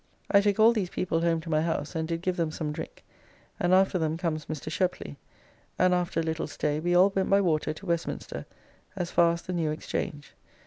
I took all these people home to my house and did give them some drink, and after them comes Mr. Sheply, and after a little stay we all went by water to Westminster as far as the New Exchange.